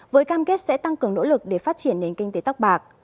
với cam kết sẽ tăng cường nỗ lực để phát triển nền kinh tế tóc bạc